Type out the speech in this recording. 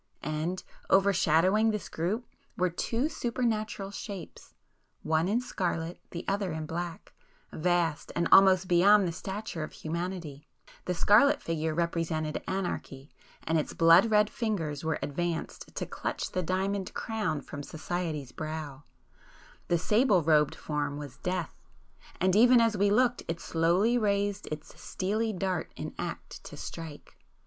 And, overshadowing this group, were two Supernatural shapes,—one in scarlet, the other in black,—vast and almost beyond the stature of humanity,—the scarlet figure represented Anarchy, and its blood red fingers were advanced to clutch the diamond crown from 'Society's' brow,—the sable robed form was Death, and even as we looked, it slowly raised its steely dart in act to strike!